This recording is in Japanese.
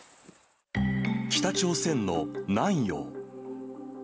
北朝鮮の南陽。